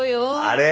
あれ？